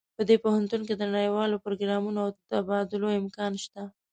په دې پوهنتون کې د نړیوالو پروګرامونو او تبادلو امکان شته